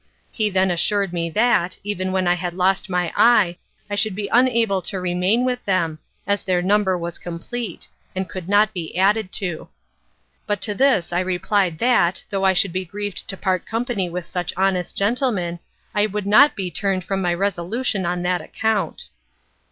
He then assured me that, even when I had lost my eye, I should be unable to remain with them, as their number was complete, and could not be added to. But to this I replied that, though I should be grieved to part company with such honest gentlemen, I would not be turned from my resolution on that account.